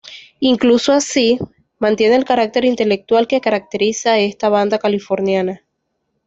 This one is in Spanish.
Incluso así, mantiene el carácter intelectual que caracteriza a esta banda californiana.